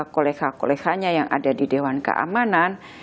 koleha kolehanya yang ada di dewan keamanan